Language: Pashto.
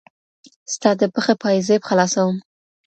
ستا د پښې پايزيب خلاصوم